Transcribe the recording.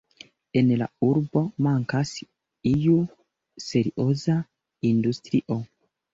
En la urbo mankas iu serioza industrio.